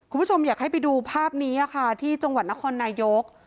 คุณผู้ชมอยากให้ไปดูภาพนี้ค่ะที่จังหวัดนครนายก